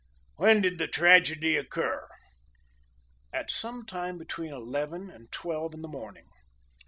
When did the tragedy occur?" "At some time between eleven and twelve in the morning.